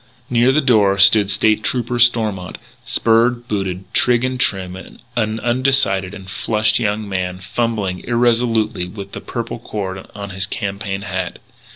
Near the door stood State Trooper Stormont, spurred, booted, trig and trim, an undecided and flushed young man, fumbling irresolutely with the purple cord on his campaign hat.